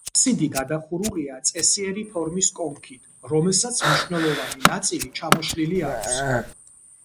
აფსიდი გადახურულია წესიერ ფორმის კონქით, რომელსაც მნიშვნელოვანი ნაწილი ჩამოშლილი აქვს.